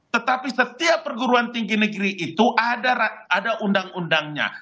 tetapi setiap perguruan tinggi negeri itu ada undang undangnya